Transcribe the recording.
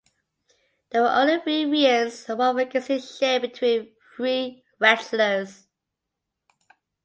There were only three reigns and one vacancy shared between three wrestlers.